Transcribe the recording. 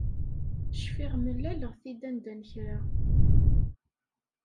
Cfiɣ mlaleɣ-t-id anda n kra.